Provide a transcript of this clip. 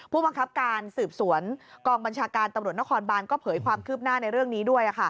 ผู้บังคับการสืบสวนกองบัญชาการตำรวจนครบานก็เผยความคืบหน้าในเรื่องนี้ด้วย